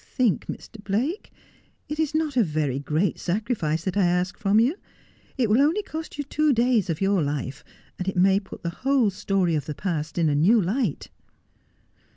Think, Mr. Blake, it is not a very great sacrince that I ask from you. It will only cost you two days of your life, and it may put the whole story of the past in a new light.'